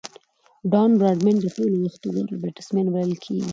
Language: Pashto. ډان براډمن د ټولو وختو غوره بيټسمېن بلل کیږي.